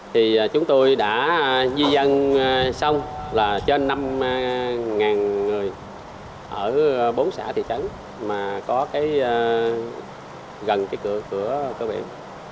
thì chúng tôi đã di dân xong là trên năm người ở bốn xã thị trấn mà có cái gần cái cửa biển